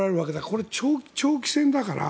これは長期戦だから。